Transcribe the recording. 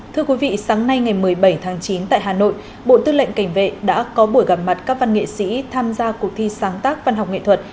thưa quý vị sáng nay ngày một mươi bảy tháng chín tại hà nội bộ tư lệnh cảnh vệ đã có buổi gặp mặt các văn nghệ sĩ tham gia cuộc thi sáng tác văn học nghệ thuật